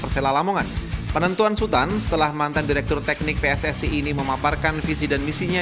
setelah mantan direktur teknik pssc ini memaparkan visi dan misinya